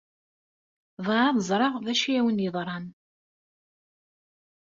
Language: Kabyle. Bɣiɣ ad ẓreɣ d acu ay awen-yeḍran...